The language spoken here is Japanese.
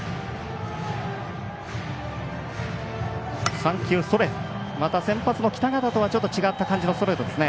３球ストレートまた先発の北方とはちょっと違ったストレートですね。